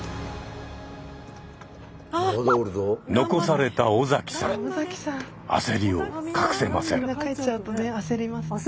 残された尾崎さん焦りを隠せません。